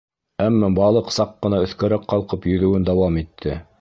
Әммә балыҡ саҡ ҡына өҫкәрәк ҡалҡып йөҙәүен дауам итте.